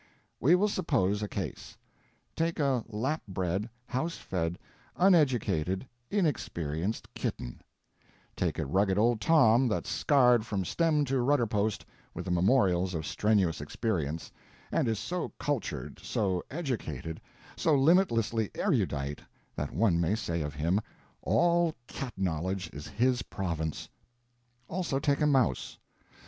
We will suppose a case: take a lap bred, house fed, uneducated, inexperienced kitten; take a rugged old Tom that's scarred from stem to rudder post with the memorials of strenuous experience, and is so cultured, so educated, so limitlessly erudite that one may say of him "all cat knowledge is his province"; also, take a mouse.